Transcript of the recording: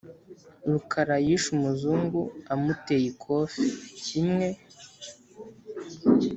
rukara yishe umuzungu amuteye ikofe imwe